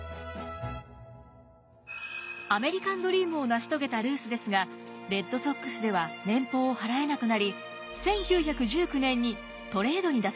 アメリカンドリームを成し遂げたルースですがレッドソックスでは年俸を払えなくなり１９１９年にトレードに出されます。